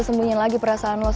semuanya kayacam hal iniupin